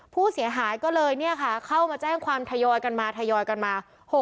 ผู้เสียหายก็เลยเข้ามาแจ้งความทยอยกันมา